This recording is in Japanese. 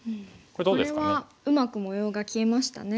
これはうまく模様が消えましたね。